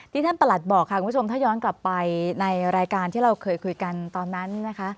ท่านประหลัดบอกค่ะคุณผู้ชมถ้าย้อนกลับไปในรายการที่เราเคยคุยกันตอนนั้นนะคะ